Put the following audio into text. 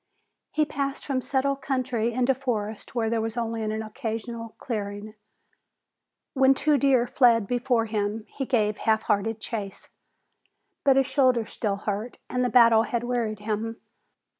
He passed from settled country into forest where there was only an occasional clearing. When two deer fled before him he gave halfhearted chase. But his shoulder still hurt and the battle had wearied him.